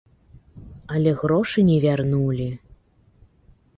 Але грошы не вярнулі.